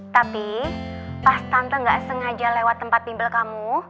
tapi pas tante gak sengaja lewat tempat timbel kamu